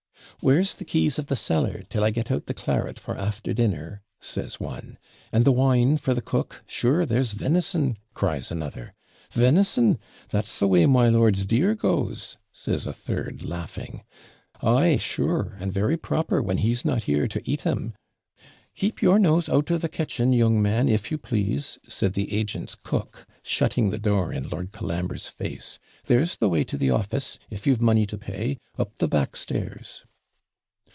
'Where's the keys of the cellar, till I get out the claret for after dinner,' says one; 'and the wine for the cook sure there's venison,' cries another. 'Venison! That's the way my lord's deer goes,' says a third, laughing. 'ay, sure! and very proper, when he's not here to eat 'em.' 'Keep your nose out of the kitchen, young man, if you PLASE,' said the agent's cook, shutting the door in Lord Colambre's face. 'There's the way to the office, if you've money to pay, up the back stairs.'